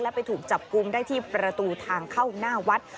ไปถูกจับกลุ่มได้ที่ประตูทางเข้าหน้าวัด